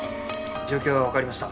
状況はわかりました。